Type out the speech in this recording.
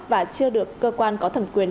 và chưa được cơ quan có thẩm quyền